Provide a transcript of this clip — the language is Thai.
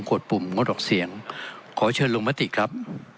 ดปุ่มงดออกเสียงขอเชิญลงมติครับ